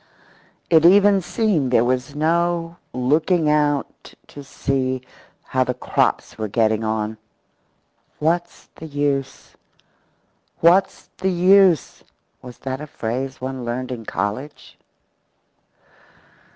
It even seemed there was no use looking out to see how the crops were getting on. What's the use? What's the use? Was that a phrase one learned in college?